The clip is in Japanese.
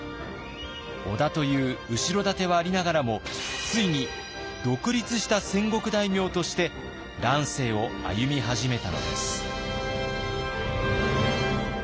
織田という後ろ盾はありながらもついに独立した戦国大名として乱世を歩み始めたのです。